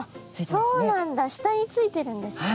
そうなんだ下についてるんですか。